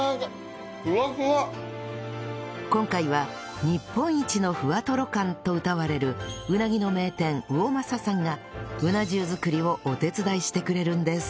今回は日本一のふわとろ感とうたわれるうなぎの名店魚政さんがうな重作りをお手伝いしてくれるんです